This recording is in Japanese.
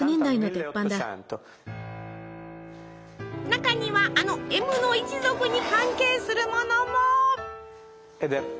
中にはあのＭの一族に関係するものも。